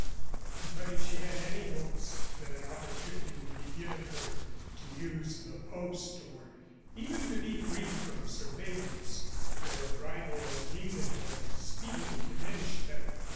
But if she had any hopes that an opportunity would be given her to use the post, or even to be free from surveillance, their arrival at Windenberg speedily diminished them.